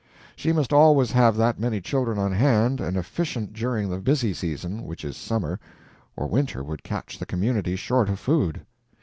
She must always have that many children on hand and efficient during the busy season, which is summer, or winter would catch the community short of food.